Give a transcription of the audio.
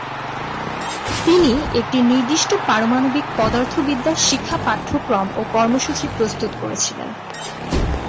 তিনি একটি নির্দিষ্ট পারমাণবিক পদার্থবিদ্যা শিক্ষা পাঠক্রম ও কর্মসূচি প্রস্তুত করেছিলেন।